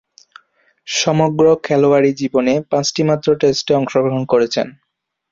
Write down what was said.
সমগ্র খেলোয়াড়ী জীবনে পাঁচটিমাত্র টেস্টে অংশগ্রহণ করেছেন।